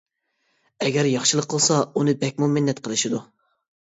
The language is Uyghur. ئەگەر ياخشىلىق قىلسا، ئۇنى بەكمۇ مىننەت قىلىشىدۇ.